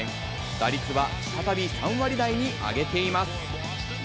打率は再び３割台に上げています。